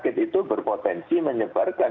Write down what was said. dr prima apakah